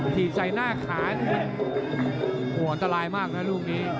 ถีบใส่หน้าขานี่โอ้โหอันตรายมากนะลูกนี้